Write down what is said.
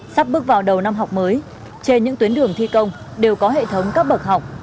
sắp bước vào đầu năm học mới trên những tuyến đường thi công đều có hệ thống các bậc học